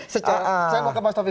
saya mau ke mas taufik